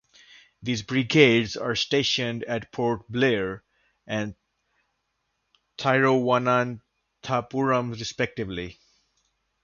These brigades are stationed at Port Blair and Thiruvananthapuram respectively.